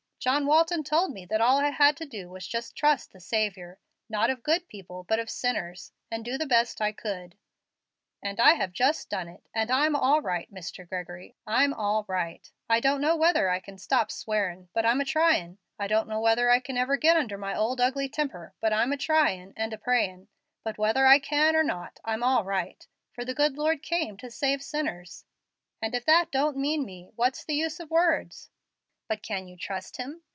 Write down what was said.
John Walton told me that all I had to do was to just trust the Saviour not of good people but of sinners, and do the best I could; and I have just done it, and I'm all right, Mr. Gregory, I'm all right. I don't know whether I can stop swearin', but I'm a tryin'. I don't know whether I can ever get under my old ugly temper, but I'm a tryin' and a prayin'. But whether I can or not, I'm all right, for the good Lord came to save sinners; and if that don't mean me, what's the use of words?" "But can you trust Him?"